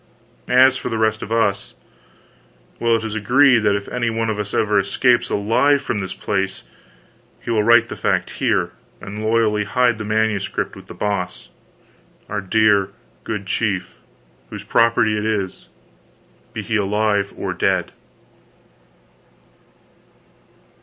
As for the rest of us well, it is agreed that if any one of us ever escapes alive from this place, he will write the fact here, and loyally hide this Manuscript with The Boss, our dear good chief, whose property it is, be he alive or dead.